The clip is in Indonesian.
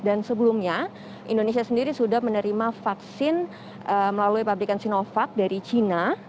dan sebelumnya indonesia sendiri sudah menerima vaksin melalui pabrikan sinovac dari china